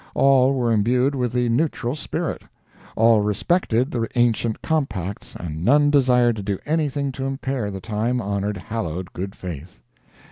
All were imbued with the neutral spirit; all respected the ancient compacts and none desired to do anything to impair the time honored, hallowed good faith.